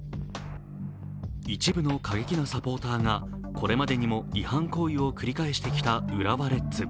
一部の過激なサポーターがこれまでにも違反行為を繰り返してきた浦和レッズ。